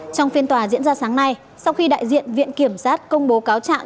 trong phiên tòa diễn ra sáng nay sau khi đại diện viện kiểm sát công bố cáo trạng